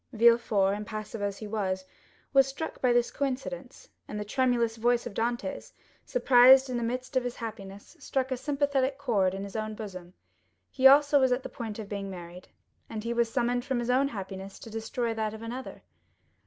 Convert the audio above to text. Villefort, impassive as he was, was struck with this coincidence; and the tremulous voice of Dantès, surprised in the midst of his happiness, struck a sympathetic chord in his own bosom—he also was on the point of being married, and he was summoned from his own happiness to destroy that of another.